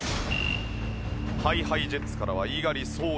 ＨｉＨｉＪｅｔｓからは猪狩蒼弥。